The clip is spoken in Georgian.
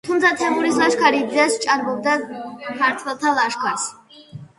თუმცა თემურის ლაშქარი დიდად სჭარბობდა ქართველთა ლაშქარს.